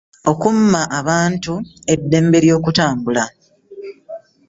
Okumma abantu eddembe ly'okutambula.